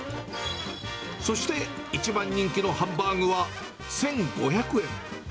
そして一番人気のハンバーグは１５００円。